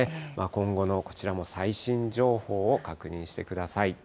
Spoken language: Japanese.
今後のこちらも最新情報を確認してください。